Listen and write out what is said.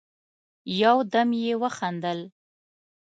يودم يې وخندل: